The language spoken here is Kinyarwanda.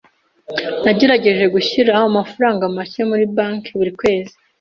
Nagerageje gushyira amafaranga make muri banki buri kwezi.